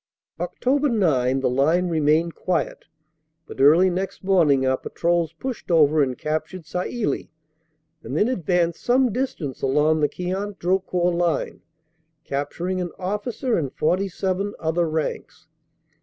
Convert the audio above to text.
Oct. 9 the line remained quiet but early next morning our patrols pushed over and captured Sailly, and then advanced some distance along the Queant Drocourt line, capturing an officer and 47 other ranks.